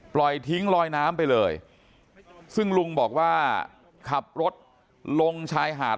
ปล่อยทิ้งลอยน้ำไปเลยซึ่งลุงบอกว่าขับรถลงชายหาด